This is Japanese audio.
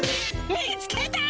見つけた！